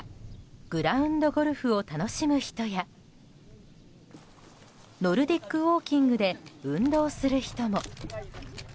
グラウンド・ゴルフを楽しむ人やノルディックウォーキングで運動する人も。